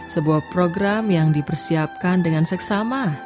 sebuah program yang dipersiapkan dengan seksama